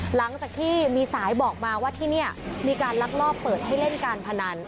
หลังจากที่มีสายบอกมาว่าที่นี่มีการลักลอบเปิดให้เล่นการพนัน